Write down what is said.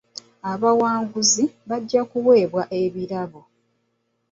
Abawanguzi bajja kuweebwa ebirabo.